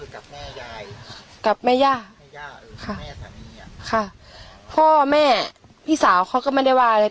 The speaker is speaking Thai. กับแม่ยายกับแม่ย่าแม่ย่าค่ะค่ะพ่อแม่พี่สาวเขาก็ไม่ได้ว่าเลย